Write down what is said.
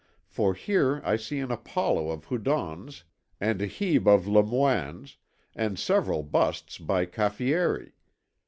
for here I see an Apollo of Houdon's and a Hebe of Lemoine's, and several busts by Caffieri.